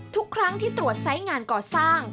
ทุกครั้งที่ตรวจไซส์งานก่อสร้าง